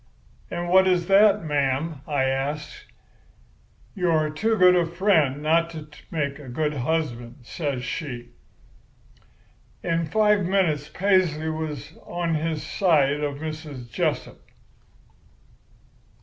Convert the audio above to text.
"'And what is that, ma'am?' I asks. "'You are too good a friend not to make a good husband,' says she. "In five minutes Paisley was on his side of Mrs. Jessup.